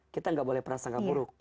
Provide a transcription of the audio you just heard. kita gak boleh prasangka buruk